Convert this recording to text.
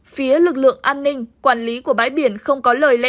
phía lực lượng an ninh quản lý của bãi biển không có lời lẽ